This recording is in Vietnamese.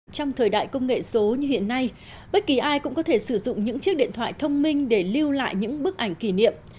trong thời đại công nghệ số như hiện nay bất kỳ ai cũng có thể sử dụng những chiếc điện thoại thông minh để lưu lại những bức ảnh kỷ niệm